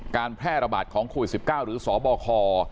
การแพร่ระบาดของโควิดสิบเก้าหรือสบค